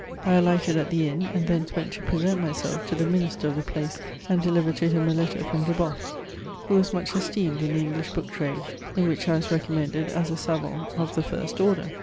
883 I alighted at the inn, and thence went to present myself to the minister of the place, and deliver to him a letter from Debo£Pe, who was much esteemed in the English book trade, in which I was recommended as a savant of the first order.